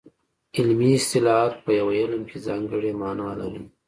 علمي اصطلاحات په یو علم کې ځانګړې مانا لري